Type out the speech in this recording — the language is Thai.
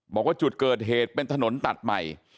บอกว่าจุดเกิดเหตุเป็นถนนตัดใหม่